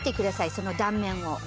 その断面を。